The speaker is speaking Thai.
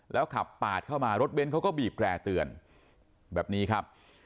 แล้วขับปาดเข้ามารถเน้นเขาก็บีบแร่เตือนแบบนี้ครับ